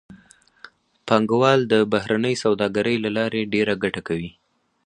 پانګوال د بهرنۍ سوداګرۍ له لارې ډېره ګټه کوي